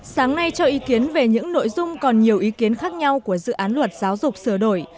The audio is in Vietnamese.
sáng nay cho ý kiến về những nội dung còn nhiều ý kiến khác nhau của dự án luật giáo dục sửa đổi